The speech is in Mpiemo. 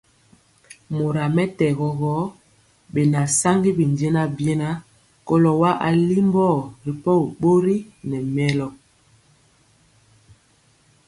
Mora mɛtɛgɔ gɔ, bɛna saŋgi bijɛna biena kɔlo wa alimbɔ ripɔgi bori nɛ mɛlɔ.